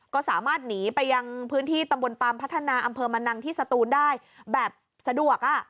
ก็สามารถหนีไปยังพื้นที่ตำบลปามพัฒนาอำเภอมะนังที่สตูนได้แบบสะดวก